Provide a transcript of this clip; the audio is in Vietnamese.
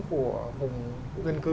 của vùng gân cư